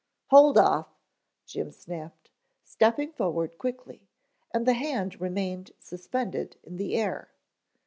"Hold off," Jim snapped, stepping forward quickly, and the hand remained suspended in the air.